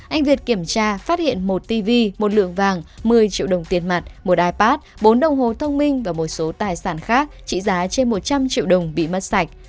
anh việt kiểm tra phát hiện một tv một lượng vàng một mươi triệu đồng tiền mặt một ipad bốn đồng hồ thông minh và một số tài sản khác trị giá trên một trăm linh triệu đồng bị mất sạch